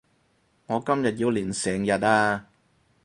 我今日要練成日呀